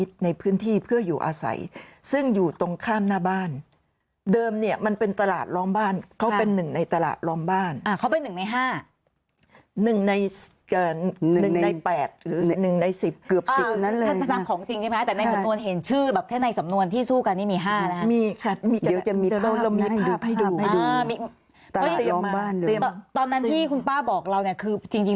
ใช่แต่ยังเหลืออีกหนึ่งตลาดแล้วก็เจ้าหน้าที่รัฐเนี่ย